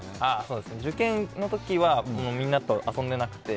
受験の時はみんなと遊んでなくて。